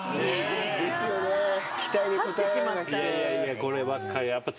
こればっかりは。